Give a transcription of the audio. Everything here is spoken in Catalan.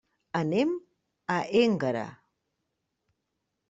Anem a Énguera.